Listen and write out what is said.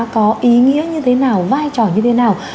có ý nghĩa như thế nào vai trò như thế nào